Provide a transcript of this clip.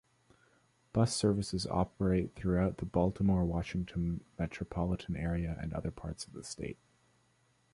Bus services operate throughout the Baltimore-Washington Metropolitan Area and other parts of the state.